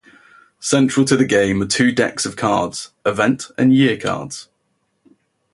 Central to the game are two decks of cards, Event and Year cards.